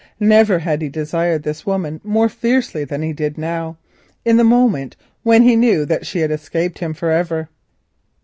Never had he desired this woman more fiercely than he did now, in the moment when he knew that she had escaped him for ever.